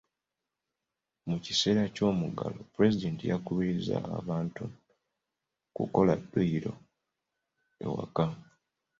Mu kiseera ky'omuggalo, pulezidenti yakubiriza abantu okukolera dduyiro ewaka.